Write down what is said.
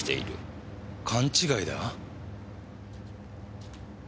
勘違いだ？